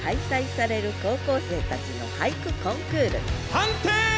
判定！